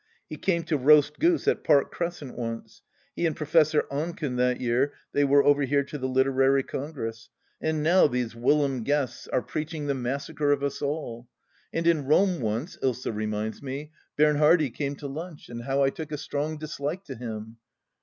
He came to roast goose at Park Crescent, once— he and Professor Oncken that year they were over here to the Literary Congress. And now these THE LAST DITCH 169 fvhilom guests are preaching the massacre of us all I And in Rome once, Ilsa reminds me, Bernhardi came to lunch, and how I took a strong dislike to him.